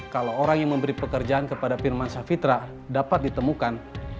kalau orang yang memberi pekerjaan kepada firman safitra dapat ditemukan